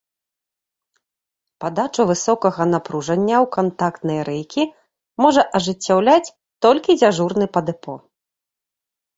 Падачу высокага напружання ў кантактныя рэйкі можа ажыццяўляць толькі дзяжурны па дэпо.